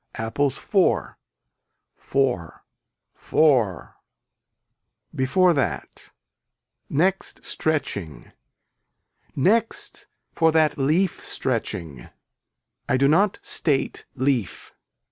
Apples four. For. Fore. Before that. Next stretching. Next for that leaf stretching. I do not state leaf.